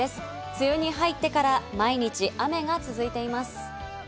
梅雨に入ってから毎日、雨が続いています。